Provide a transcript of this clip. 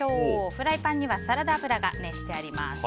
フライパンにはサラダ油が熱してあります。